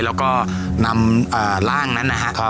แล้วก็นำร่างนั้นนะครับ